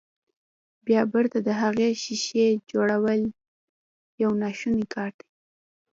بيا بېرته د هغې ښيښې جوړول يو ناشونی کار دی.